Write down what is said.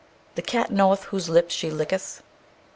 "The cat knoweth whose lips she licketh."